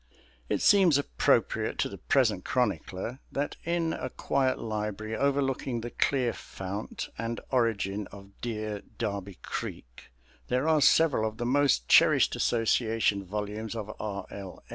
It seems appropriate to the present chronicler that in a quiet library overlooking the clear fount and origin of dear Darby Creek there are several of the most cherished association volumes of R. L.